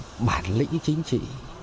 cái bản lĩnh chính trị